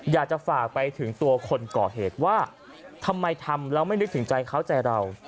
อยากจะฝากไปถึงตัวคนก่อเหตุว่าทำไมทำแล้วไม่นึกถึงใจเขาใจเรา